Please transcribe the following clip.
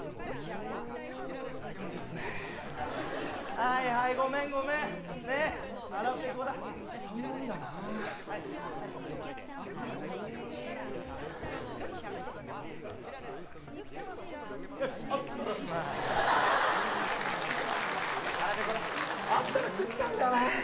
はいはいごめんごめんねえ腹ぺこだねはいそんなにだなああったら食うって感じよしおっすあざっす腹ぺこだあったら食っちゃうんだよね